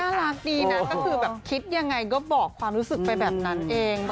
รักดีนะก็คือแบบคิดยังไงก็บอกความรู้สึกไปแบบนั้นเอง